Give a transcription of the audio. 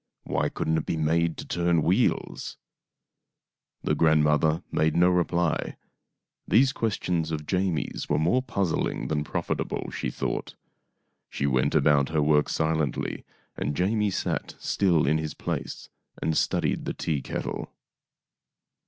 Why couldn't it be made to turn wheels ?" The grandmother made no reply. These ques tions of Jamie's were more puzzling than profitable, she thought. She went about her work silently, and Jamie sat still in his place and studied the teakettle.